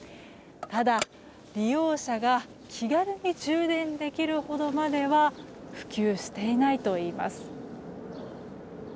ただ、利用者が気軽に充電できるほどまでは普及していないといいます。